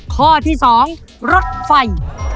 ข้อที่๒รถไฟ